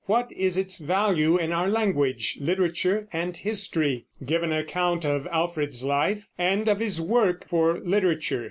What is its value in our language, literature, and history? Give an account of Alfred's life and of his work for literature.